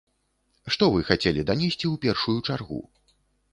Што вы хацелі данесці ў першую чаргу?